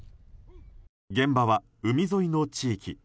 現場は海沿いの地域。